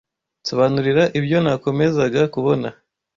Nsobanurira ibyo nakomezaga kubona